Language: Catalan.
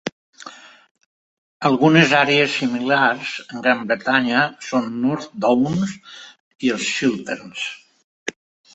Algunes àrees similars en Gran Bretanya són North Downs i els Chilterns.